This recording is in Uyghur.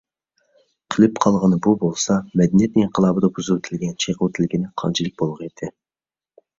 قېلىپ قالغىنى بۇ بولسا، «مەدەنىيەت ئىنقىلابى»دا بۇزۇۋېتىلگەن، چېقىۋېتىلگىنى قانچىلىك بولغىيتتى؟